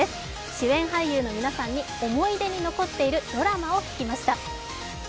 主演俳優の皆さんに思い出に残っているドラマを聞きました。